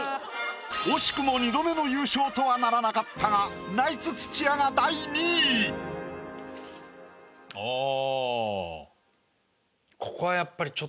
惜しくも２度目の優勝とはならなかったがナイツ土屋が第２位！ああ。